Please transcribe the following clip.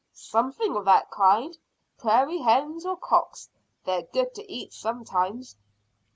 "Something of that kind. Prairie hens, or cocks. They're good to eat sometimes."